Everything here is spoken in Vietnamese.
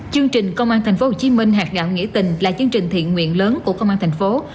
chương trình công an tp hcm hạt gạo nghĩa tình là chương trình thiện nguyện lớn của công an thành phố